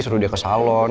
suruh dia ke salon